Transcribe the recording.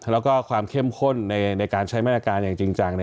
แล้วก็ความเข้มข้นในการใช้มาตรการอย่างจริงจัง